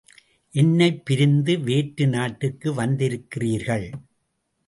என்னைப் பிரிந்து வேற்று நாட்டிற்கு வந்திருக்கிறீர்கள்.